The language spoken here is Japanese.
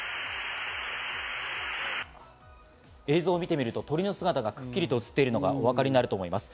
映像を見てみると、鳥の姿がくっきりと映っているのがお分かりになると思います。